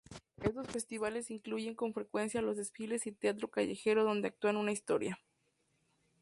Estos festivales incluyen con frecuencia los desfiles y teatro callejero donde actúan una historia.